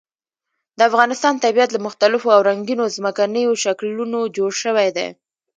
د افغانستان طبیعت له مختلفو او رنګینو ځمکنیو شکلونو جوړ شوی دی.